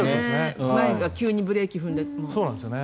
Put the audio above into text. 前が急にブレーキを踏んでも。